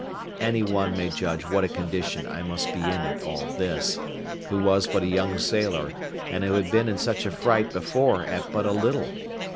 Any one may judge what a condition I must be in at all this, who was but a young sailor, and who had been in such a fright before at but a little.